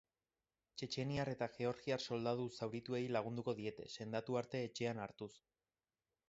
Txetxeniar eta georgiar soldadu zaurituei lagunduko diete, sendatu arte etxean hartuz.